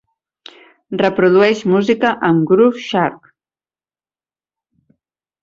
Reprodueix música amb Groove Shark.